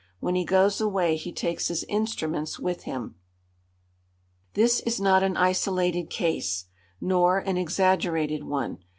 When he goes away he takes his instruments with him. This is not an isolated case, nor an exaggerated one.